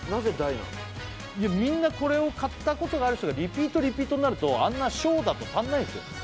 いやみんなこれを買ったことがある人がリピートリピートになるとあんな小だと足んないんですよ